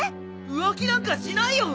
浮気なんかしないよ！